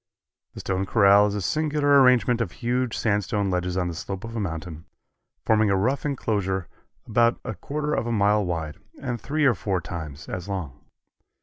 The Stone Corral is a singular arrangement of huge sandstone ledges on the slope of a mountain, forming a rough inclosure about a quarter of a mile wide and three or four times as long.